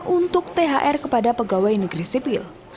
untuk thr kepada pegawai negeri sipil